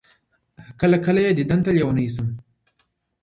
كله، كله يې ديدن تــه لـيونـى سم